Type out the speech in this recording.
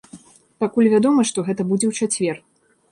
Пакуль вядома, што гэта будзе ў чацвер.